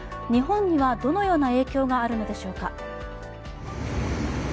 日本にはどのような影響があるのでしょうか。